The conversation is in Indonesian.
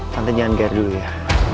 tante jangan biar dulu ya